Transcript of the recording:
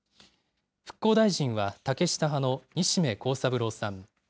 復興大臣は竹下派の西銘恒三郎さん。